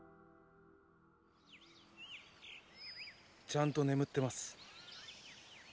ちゃんと眠ってます。